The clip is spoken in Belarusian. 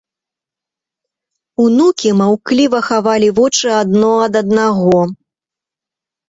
Унукі маўкліва хавалі вочы адно ад аднаго.